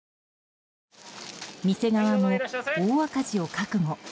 店側も、大赤字を覚悟。